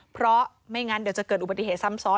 เพราะไม่งั้นเดี๋ยวจะเกิดอุบัติเหตุซ้ำซ้อน